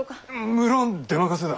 無論出任せだ。